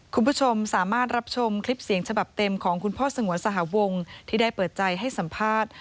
คุณผู้ชมสามารถรับชมคลิปเสียงฉบับเต็มของคุณพ่อสงวนสหวงที่ได้เปิดใจให้สัมภาษณ์